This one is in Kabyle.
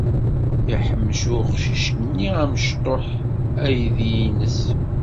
Yeḥmec uqcic-nni amecṭuḥ aydi-ines.